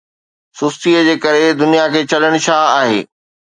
سُستيءَ جي ڪري دنيا کي ڇڏڻ ڇا آهي؟